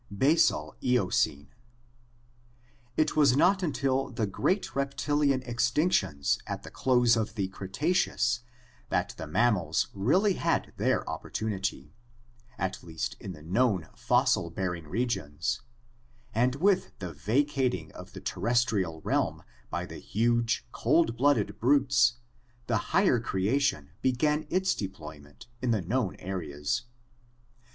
Basal Eocene. — It was not until the great reptilian extinctions at the close of the Cretaceous that the mammals really had their 2QO ORGANIC EVOLUTION opportunity, at least in the known fossil bearing regions, and with the vacating of the terrestrial realm by the huge cold blooded brutes, the higher creation began its deployment in the known areas.